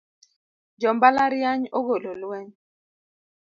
Jo mbalariany ogolo lweny